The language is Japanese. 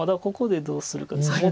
ここでどうするかです。